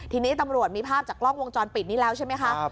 ทีนี้ตำรวจมีภาพจากกล้องวงจรปิดนี้แล้วใช่ไหมคะ